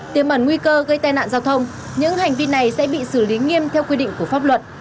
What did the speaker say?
tiềm ẩn nguy cơ gây tai nạn giao thông những hành vi này sẽ bị xử lý nghiêm theo quy định của pháp luật